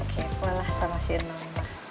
kepo lah sama si inon